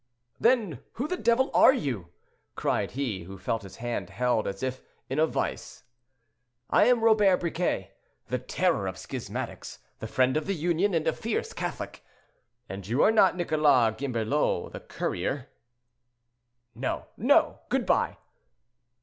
"Then who the devil are you?" cried he, who felt his hand held as if in a vise. "I am Robert Briquet, the terror of schismatics, the friend of the Union, and a fierce Catholic; and you are not Nicholas Gimbelot, the currier." "No, no! good by."